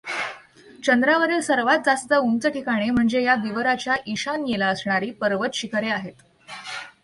चंद्रावरील सर्वांत जास्त उंच ठिकाणे म्हणजे या विवराच्या ईशान्येला असणारी पर्वत शिखरे आहेत.